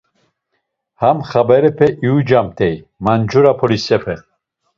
Ham xaberepe iyucamt̆ey mancura polisepe.